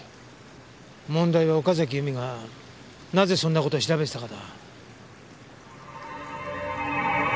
問題は岡崎由美がなぜそんな事を調べてたかだ。